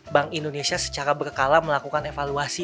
bank indonesia secara berkala melakukan evaluasi